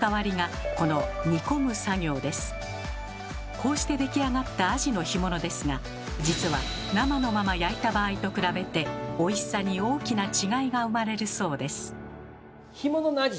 こうして出来上がったアジの干物ですが実は生のまま焼いた場合と比べて美味しさに大きな違いが生まれるそうです。